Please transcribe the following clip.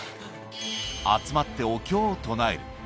集まってお経を唱える。